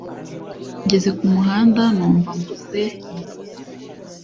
ngeze ku muhanda numva mbuze imbaraga